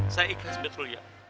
saya ikhlas betul ya